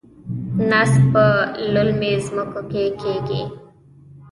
نسک په للمي ځمکو کې کیږي.